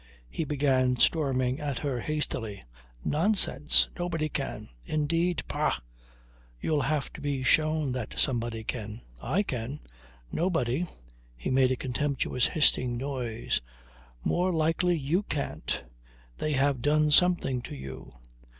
He began storming at her hastily. "Nonsense! Nobody can ... Indeed! Pah! You'll have to be shown that somebody can. I can. Nobody ..." He made a contemptuous hissing noise. "More likely you can't. They have done something to you.